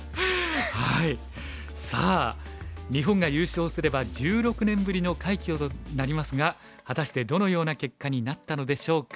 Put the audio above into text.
さあ日本が優勝すれば１６年ぶりの快挙となりますが果たしてどのような結果になったのでしょうか。